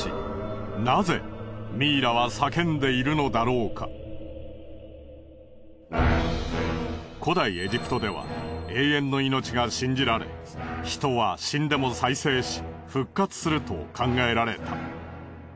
しかし古代エジプトでは永遠の命が信じられ人は死んでも再生し復活すると考えられた。